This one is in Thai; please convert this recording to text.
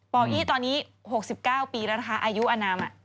อี้ตอนนี้๖๙ปีแล้วนะคะอายุอนาม